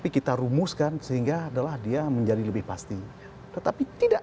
itu adalah dia bisa